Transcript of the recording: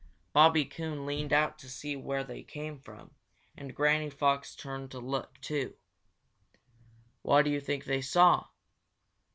Bobby Coon leaned out to see where they came from, and Granny Fox turned to look, too. What do you think they saw?